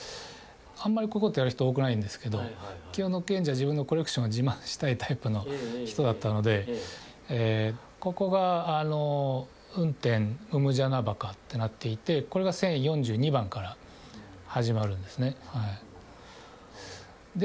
あんまりこういうことをやる人多くないんですけど清野謙次は自分のコレクションを自慢したいタイプの人だったのでここが運天・百按司墓ってなっていてこれが１０４２番から始まるんですねで